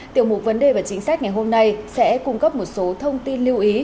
tiểu mục vấn đề và chính sách ngày hôm nay sẽ cung cấp một số thông tin lưu ý